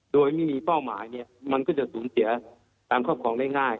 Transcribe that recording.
โดยไม่มีเป้าหมายเนี่ยมันก็จะสูญเสียตามครอบครองได้ง่าย